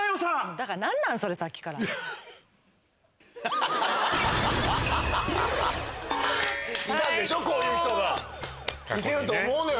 だから何なんそれさっきから最高いてると思うのよ